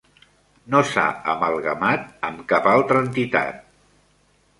No s'ha amalgamat amb cap altra entitat.